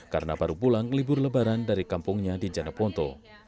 karena baru pulang libur lebaran dari kampungnya di janeponto